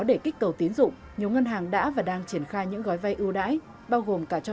để kích cầu tín dụng nhiều ngân hàng đã và đang triển khai những gói vay ưu đãi bao gồm cả cho